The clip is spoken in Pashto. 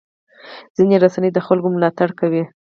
ځینې رسنۍ د خلکو ملاتړ کوي.